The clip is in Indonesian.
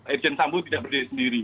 irjen sambo tidak berdiri sendiri